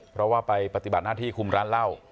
เพราะว่าไปปฏิบัติหน้าที่คุมร้านเหล้า